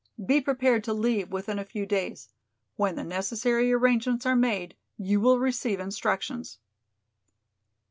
Be prepared to leave within a few days. When the necessary arrangements are made you will receive instructions."